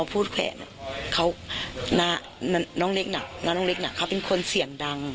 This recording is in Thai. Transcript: ตัวนายนาเล็กเองเนี่ย